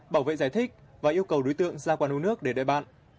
bảo vệ giải thích và yêu cầu đối tượng ra quán u nước để đợi bạn